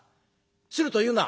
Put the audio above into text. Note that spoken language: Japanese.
「『する』」と言うな！